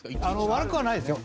悪くはないですよ。